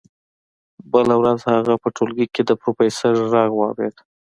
بله ورځ هغه په ټولګي کې د پروفیسور غږ واورېد